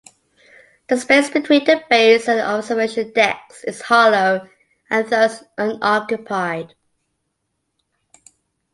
The space between the base and the observation decks is hollow and thus unoccupied.